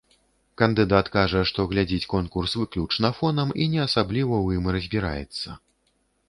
Кандыдат кажа, што глядзіць конкурс выключна фонам і не асабліва ў ім разбіраецца.